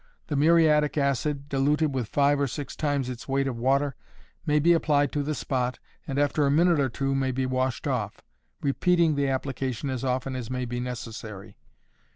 The muriatic acid, diluted with five or six times its weight of water, may be applied to the spot, and after a minute or two may be washed off, repeating the application as often as may be necessary.